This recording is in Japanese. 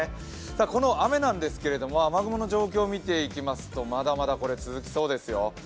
この雨なんですけれども、雨雲の状況を見ていきますとまだまだ続きそうですよ。